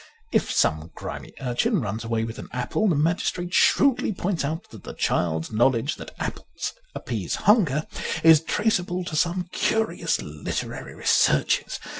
If some grimy urchin runs away with an apple, the magis trate shrewdly points out that the child's know ledge that apples appease hunger is traceable to some curious literary researches.